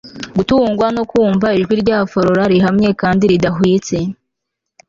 gutungurwa no kumva ijwi rya flora, rihamye kandi ridahwitse